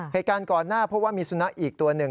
เหตุการณ์ก่อนหน้าเพราะว่ามีสุนัขอีกตัวหนึ่ง